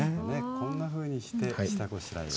こんなふうにして下ごしらえを。